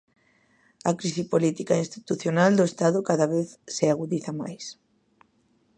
A crise política e institucional do Estado cada vez se agudiza máis.